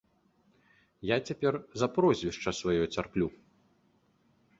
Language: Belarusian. Я цяпер за прозвішча сваё цярплю.